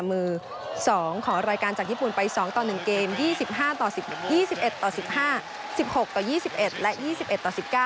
มือ๒ขอรายการจากญี่ปุ่นไป๒ต่อ๑เกม๒๕ต่อ๒๑ต่อ๑๕๑๖ต่อ๒๑และ๒๑ต่อ๑๙